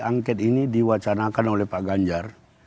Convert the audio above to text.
angket ini diwacanakan oleh pak ganjar